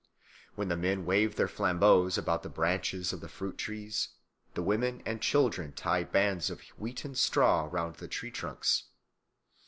While the men wave their flambeaus about the branches of the fruit trees, the women and children tie bands of wheaten straw round the tree trunks.